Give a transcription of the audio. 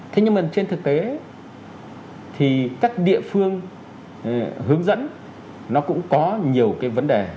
thế nhưng mà trên thực tế thì các địa phương hướng dẫn nó cũng có nhiều cái vấn đề